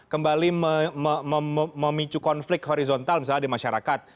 kembali memicu konflik horizontal misalnya di masyarakat